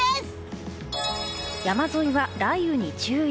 山沿いは雷雨に注意。